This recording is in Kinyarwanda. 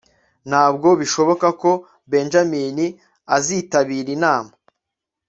ntabwo bishoboka ko benjamin azitabira inama